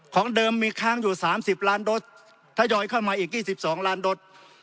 ของเดิมมีค้างอยู่๓๐ล้านโดสทยอยเข้ามาอีก๒๒ล้านโดส